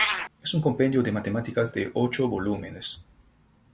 Es un compendio de matemáticas de ocho volúmenes.